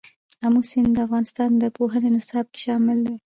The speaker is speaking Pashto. آمو سیند د افغانستان د پوهنې نصاب کې شامل دي.